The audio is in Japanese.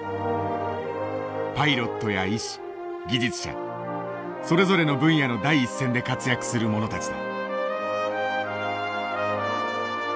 パイロットや医師技術者それぞれの分野の第一線で活躍する者たちだ。